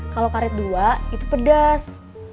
kalau karet dua itu pedas